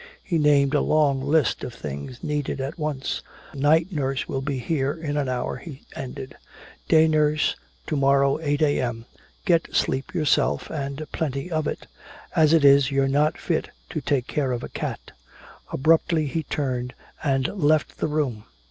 He named a long list of things needed at once. "Night nurse will be here in an hour," he ended. "Day nurse, to morrow, eight a.m. Get sleep yourself and plenty of it. As it is you're not fit to take care of a cat." Abruptly he turned and left the room.